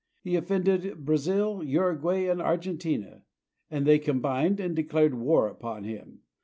He offended Brazil, Uruguay, and Argentina, and they combined and declared war upon him.